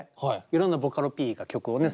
いろんなボカロＰが曲をね